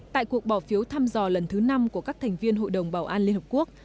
tại cuộc bỏ phiếu thăm dò lần thứ năm của các thành viên hội đồng bảo an liên hợp quốc